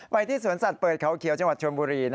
ที่สวนสัตว์เปิดเขาเขียวจังหวัดชนบุรี